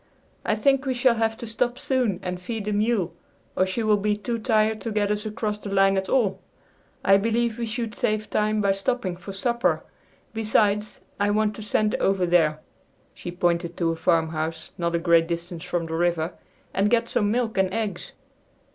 "I think we shall have to stop soon and feed the mule or she will be too tired to get us across the line at all. I believe we should save time by stopping for supper. Besides, I want to send over there," she pointed to a farmhouse not a great distance from the river, "and get some milk and eggs."